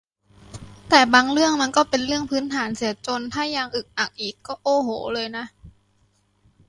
แต่บางเรื่องมันก็เป็นเรื่องพื้นฐานเสียจน ถ้ายังอึกอักอีก ก็ โอ้โห เลยนะ